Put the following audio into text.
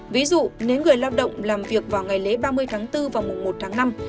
ví dụ nếu người lao động làm việc vào ngày lễ ba mươi tháng bốn và mùa một tháng năm